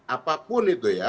apapun itu ya